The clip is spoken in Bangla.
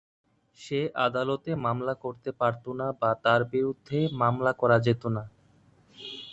সে আদালতে মামলা করতে পারত না বা তার বিরুদ্ধে মামলা করা যেত না।